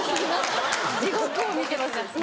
地獄を見てます。